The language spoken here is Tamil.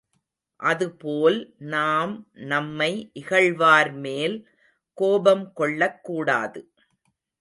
அதுபோல் நாம் நம்மை இகழ்வார் மேல் கோபம் கொள்ளக் கூடாது.